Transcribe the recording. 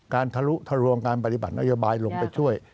ทะลุทะลวงการปฏิบัตินโยบายลงไปช่วย